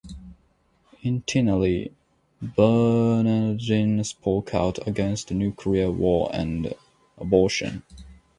Initially, Bernardin spoke out against nuclear war and abortion.